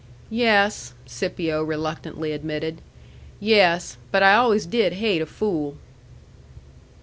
"Yes," Scipio reluctantly admitted. "Yes. But I always did hate a fool."